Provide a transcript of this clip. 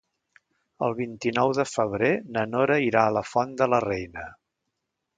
El vint-i-nou de febrer na Nora irà a la Font de la Reina.